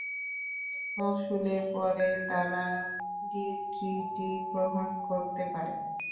মোসুলের পরে, তারা লিক্রিটি গ্রহণ করতে পারে।